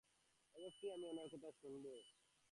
অবশ্যই আমি ওনার কথা শুনব।